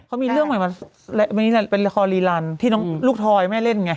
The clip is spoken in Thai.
เขามีเรื่องใหม่มานี่แหละเป็นละครรีรันที่ลูกทอยแม่เล่นไง